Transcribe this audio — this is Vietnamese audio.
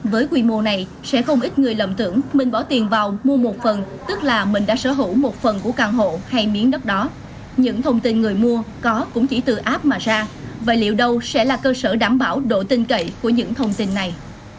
với quy mô này sẽ không ít người lầm tưởng mình bỏ tiền vào mua một phần tức là mình đã sở hữu một phần của căn hộ hay miếng đất đó những thông tin người mua có cũng chỉ từ app mà ra và liệu đâu sẽ là cơ sở đảm bảo độ tinh cậy của những thông tin này